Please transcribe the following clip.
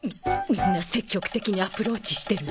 みんな積極的にアプローチしてるわ